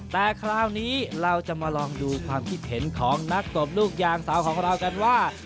แต่คราวนี้เราจะมาลองดูความคิดเห็นของนักตบลูกยางสาวของเรากันว่า